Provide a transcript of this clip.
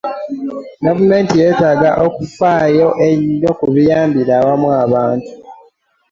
Gavumenti yeetaaga okufaayo ennyo ku biyambira awamu abantu